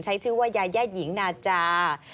ใช้ชื่อว่ายายาหญิงนาจา